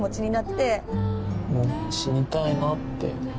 「もう死にたいなって」。